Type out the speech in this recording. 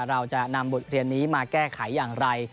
เราจะนำบทเรียนนี้มาแก้ไขอย่างไร